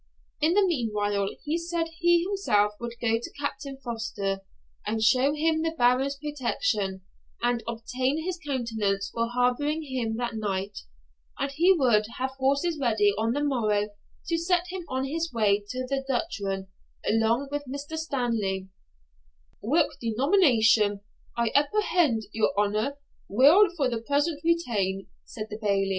In the meanwhile, he said, he himself would go to Captain Foster and show him the Baron's protection, and obtain his countenance for harbouring him that night, and he would have horses ready on the morrow to set him on his way to the Duchran along with Mr. Stanley, 'whilk denomination, I apprehend, your honour will for the present retain,' said the Bailie.